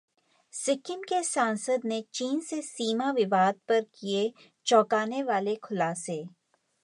सिक्किम के सांसद ने चीन से सीमा विवाद पर किए चौंकाने वाले खुलासे